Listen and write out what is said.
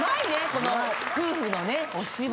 この夫婦のねお芝居が。